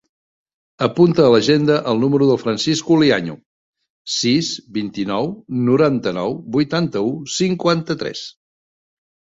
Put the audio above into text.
Apunta a l'agenda el número del Francisco Liaño: sis, vint-i-nou, noranta-nou, vuitanta-u, cinquanta-tres.